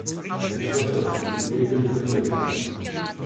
Mensch Klasse, die Idee könnte von mir sein.